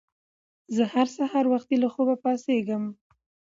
زه هر سهار وختي له خوبه پاڅېږم